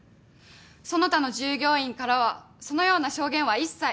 その他の従業員からはそのような証言は一切ありません。